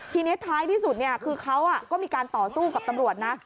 ทีนี้ท้ายที่สุดคือเขาก็มีการต่อสู้กับตำรวจนะ